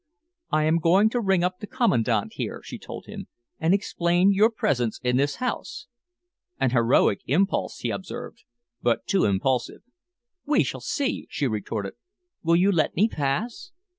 "I am going to ring up the Commandant here," she told him, "and explain your presence in this house." "An heroic impulse," he observed, "but too impulsive." "We shall see," she retorted. "Will you let me pass?"